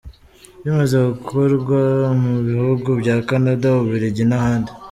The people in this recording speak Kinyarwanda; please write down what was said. Bimaze gukorwa mu bihugu bya Canada, u Bubiligi, n’ahandi.